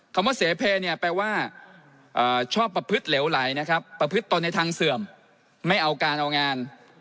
คำว่าเสเพเนี่ยแปลว่าชอบประพฤติเหลวไหลนะครับประพฤติตนในทางเสื่อมไม่เอาการเอางาน